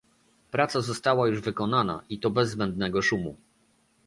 Praca została juz wykonana, i to bez zbędnego szumu